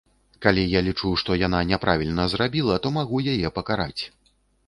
Калі я лічу, што яна няправільна зрабіла, то магу яе пакараць.